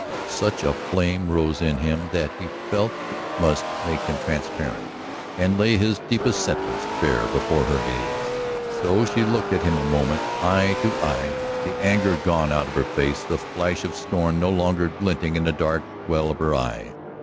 Such a flame rose in him that he felt it must make him transparent, and lay his deepest sentiments bare before her gaze. So she looked at him a moment, eye to eye, the anger gone out of her face, the flash of scorn no longer glinting in the dark well of her eye.